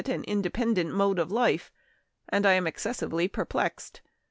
1 89 and independent mode of life, and am exces sively perplexed.